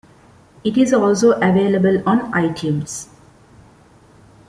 It is also available on iTunes.